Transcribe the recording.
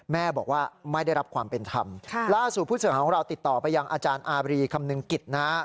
แม่บอกว่าไม่ได้รับความเป็นธรรมล่าสุดผู้สื่อข่าวของเราติดต่อไปยังอาจารย์อาบรีคำนึงกิจนะฮะ